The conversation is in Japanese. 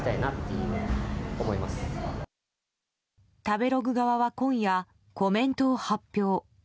食べログ側は今夜、コメントを発表。